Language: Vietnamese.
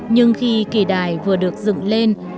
nhưng khi kỳ đài vừa được dựng lên